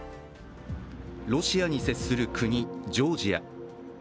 ロシアに接する国、ジョージア。